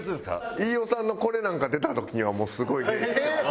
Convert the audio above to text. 飯尾さんのこれなんか出た時にはもうすごい。